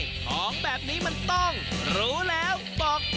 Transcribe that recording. ของแบบนี้มันต้องรู้แล้วบอก